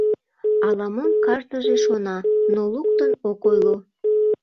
Ала-мом кажныже шона, но луктын ок ойло.